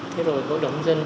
thế rồi bộ đồng dân